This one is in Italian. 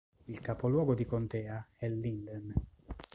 Il capoluogo di contea è Linden.